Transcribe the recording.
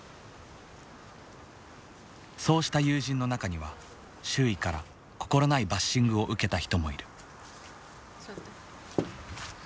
そうした友人の中には周囲から心ないバッシングを受けた人もいる。